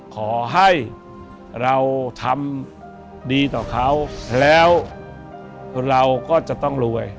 ขอให้เราทำดีต่อเขาแล้วเราก็จะต้องรวย